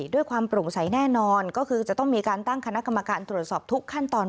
ด้วยความโปร่งใสแน่นอนก็คือจะต้องมีการตั้งคณะกรรมการตรวจสอบทุกขั้นตอน